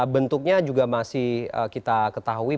bentuknya juga masih kita ketahui